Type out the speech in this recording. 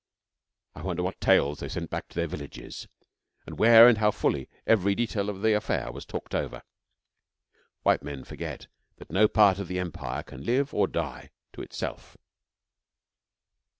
I wonder what tales they sent back to their villages, and where, and how fully, every detail of the affair was talked over. White men forget that no part of the Empire can live or die to itself.